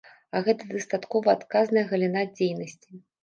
А гэта дастаткова адказная галіна дзейнасці.